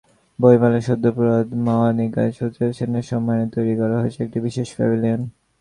বইমেলায় সদ্য প্রয়াত মহানায়িকা সুচিত্রা সেনের সম্মানে তৈরি করা হয়েছে একটি বিশেষ প্যাভিলিয়ন।